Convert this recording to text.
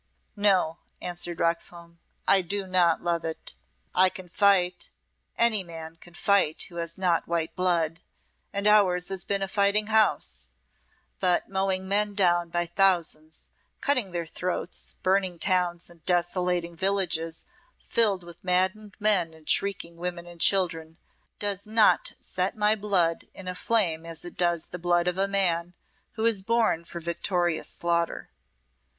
"No," answered Roxholm; "I do not love it. I can fight any man can fight who has not white blood and ours has been a fighting house; but mowing men down by thousands, cutting their throats, burning towns, and desolating villages filled with maddened men and shrieking women and children, does not set my blood in a flame as it does the blood of a man who is born for victorious slaughter.